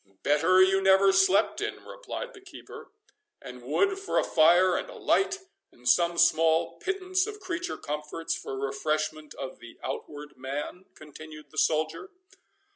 "Better you never slept in," replied the keeper. "And wood for a fire, and a light, and some small pittance of creature comforts for refreshment of the outward man?" continued the soldier.